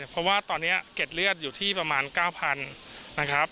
เพราะว่าตอนนี้เก็ดเลือดอยู่ที่ประมาณ๙๐๐นะครับ